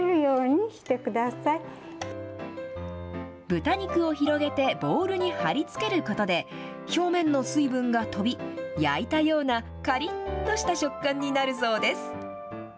豚肉を広げてボウルに貼り付けることで、表面の水分が飛び、焼いたようなかりっとした食感になるそうです。